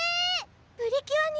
プリキュアに。